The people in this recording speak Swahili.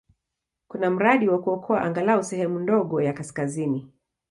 Kuna mradi wa kuokoa angalau sehemu ndogo ya kaskazini.